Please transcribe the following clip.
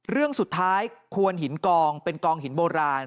เรื่องสุดท้ายควรหินกองเป็นกองหินโบราณ